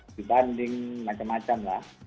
dibanding macam macam lah